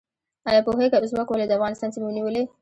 ایا پوهیږئ ازبکو ولې د افغانستان سیمې ونیولې؟